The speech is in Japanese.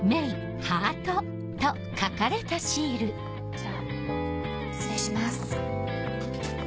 じゃあ失礼します。